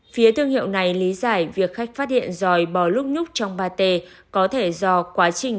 phía thương hiệu này lý giải việc khách phát hiện dòi bò lúc nhúc trong ba t có thể do quá trình